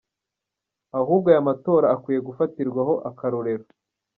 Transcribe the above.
Ahubwo aya matora akwiye gufatirwako akarorero".